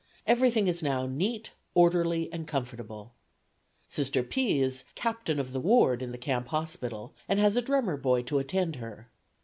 Everything is now neat, orderly and comfortable. Sr. P. is 'Captain of the Ward' in the camp hospital, and has a drummer boy to attend her.